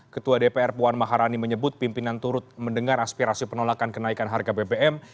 ketua dpr puan maharani menyebut pimpinan turut mendengar aspirasi penolakan kenaikan harga bbm